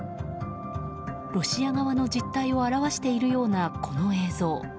ロシア側の実態を表しているようなこの映像。